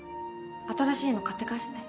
新しいの買って返すね。